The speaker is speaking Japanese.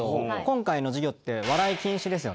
今回の授業って笑い禁止ですよね？